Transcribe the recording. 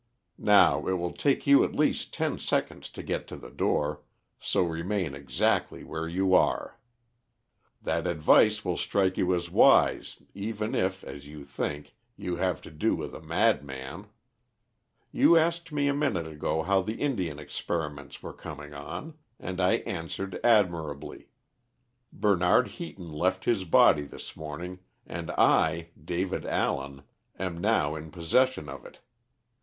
Now it will take you at least ten seconds to get to the door, so remain exactly where you are. That advice will strike you as wise, even if, as you think, you have to do with a madman. You asked me a minute ago how the Indian experiments were coming on, and I answered admirably. Bernard Heaton left his body this morning, and I, David Allen, am now in possession of it.